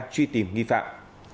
truy tìm nghi phạm